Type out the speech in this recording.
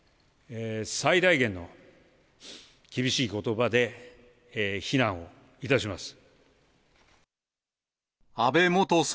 最大限の厳しいことばで非難をいたします。